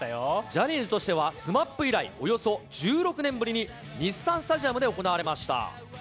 ジャニーズとしては、ＳＭＡＰ以来およそ１６年ぶりに日産スタジアムで行われました。